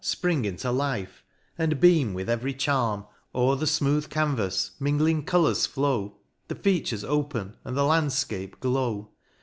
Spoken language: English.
Spring into life, and beam with every charm : O'er the fmooth canvas, mingling colours flow, The features open, and the landfcape glow.